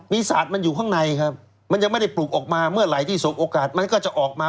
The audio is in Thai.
มีศาสตร์มันอยู่ข้างในครับมันยังไม่ได้ปลูกออกมาเมื่อไหร่ที่สบโอกาสมันก็จะออกมา